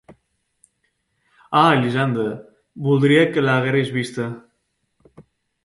Ah, Elisenda! Voldria que l'hagueres vista.